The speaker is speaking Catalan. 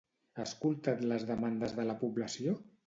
Ha escoltat les demandes de la població?